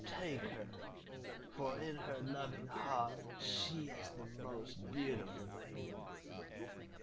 Take her, for in her loving heart she is the most beautiful maiden."